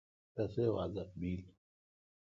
رسی وادہ بیل۔